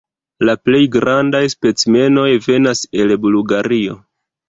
La plej grandaj specimenoj venas el Bulgario.